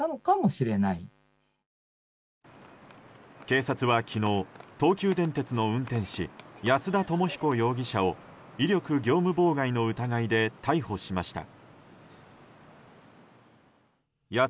警察は昨日、東急電鉄の運転士保田知彦容疑者を威力業務妨害の疑いで逮捕しました。